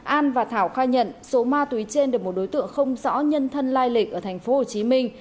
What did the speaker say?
an và thảo khai nhận số ma túy trên được một đối tượng không rõ nhân thân lai lịch ở thành phố hồ chí minh